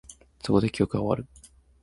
そこで、記憶は終わる